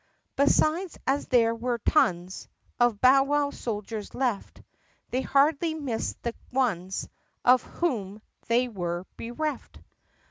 (Besides as there were tons Of bowwow soldiers left They hardly missed the ones Of whom they were bereft.)